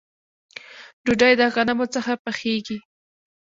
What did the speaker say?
ډوډۍ د غنمو څخه پخیږي